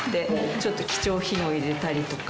ちょっと貴重品を入れたりとか。